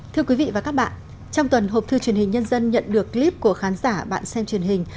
thưa quý vị và các bạn trong tuần hộp thư truyền hình nhân dân nhận được clip của khán giả bạn xem truyền hình